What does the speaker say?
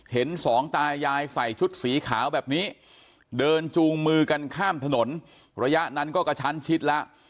สองตายายใส่ชุดสีขาวแบบนี้เดินจูงมือกันข้ามถนนระยะนั้นก็กระชั้นชิดแล้ว